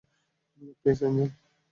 Please, Angela!